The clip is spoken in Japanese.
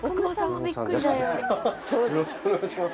よろしくお願いします。